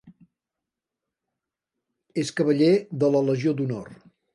És Cavaller de la Legió d'Honor.